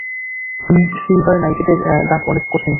Silver নাইটেটের দাগ কঠিন দাগ।